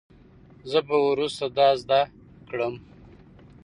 زه به وروسته دا زده کړم.